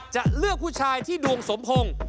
จะเลือกผู้ชายที่ดวงสมพงษ์